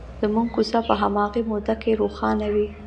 زموږ کوڅه په هماغې موده کې روښانه وي.